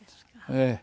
ええ。